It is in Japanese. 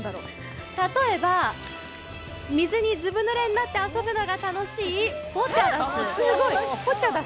例えば水にずぶぬれになって遊ぶのが楽しいポチャダス。